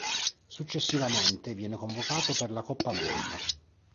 Successivamente viene convocato per la Coppa America.